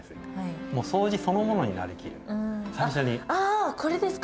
あこれですか！